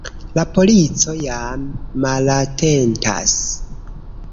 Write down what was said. La polico jam malatentas.